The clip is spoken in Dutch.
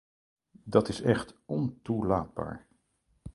Dat is echt ontoelaatbaar.